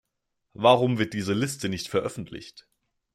Warum wird diese Liste nicht veröffentlicht?